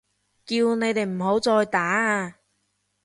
叫你哋唔好再打啊！